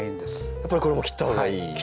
やっぱりこれも切った方がいいんですね。